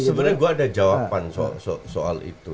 sebenarnya gue ada jawaban soal itu